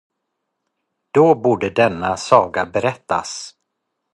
Då borde denna saga berättas.